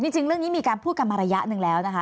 จริงเรื่องนี้มีการพูดกันมาระยะหนึ่งแล้วนะคะ